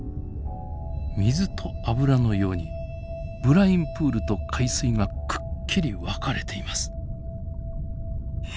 水と油のようにブラインプールと海水がくっきり分かれています。